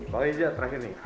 pak rizya terakhir nih